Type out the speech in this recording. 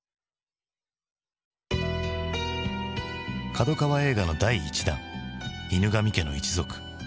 角川映画の第１弾「犬神家の一族」。